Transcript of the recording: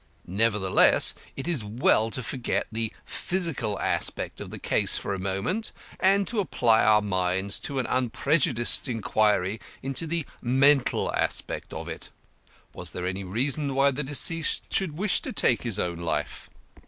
Nevertheless, it is well to forget the physical aspect of the case for a moment and to apply our minds to an unprejudiced inquiry into the mental aspect of it. Was there any reason why the deceased should wish to take his own life?